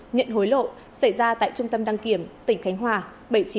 nhận hối lộ xảy ra tại trung tâm đăng kiểm tỉnh khánh hòa bảy nghìn chín trăm linh một s